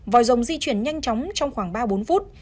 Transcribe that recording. vòi rồng di chuyển nhanh chóng trong khoảng ba bốn phút